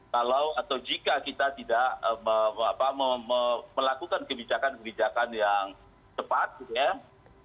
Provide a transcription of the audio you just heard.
kalau atau jika kita tidak melakukan kebijakan kebijakan yang tepat gitu ya